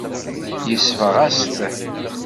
Yesbeɣ-as-t.